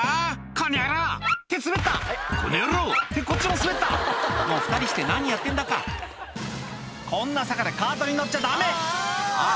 「こんにゃろ！」って滑った「この野郎！」ってこっちも滑ったもう２人して何やってんだかこんな坂でカートに乗っちゃダメあぁ